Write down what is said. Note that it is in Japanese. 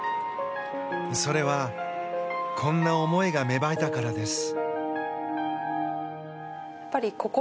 それはこんな思いが芽生えたからです。